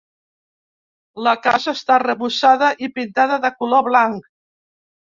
La casa està arrebossada i pintada de color blanc.